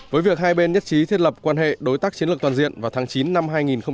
với việc hai bên nhất trí thiết lập quan hệ đối tác chiến lược toàn diện vào tháng chín năm hai nghìn một mươi chín